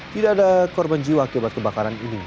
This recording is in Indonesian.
tidak ada korban jiwa kebakaran ini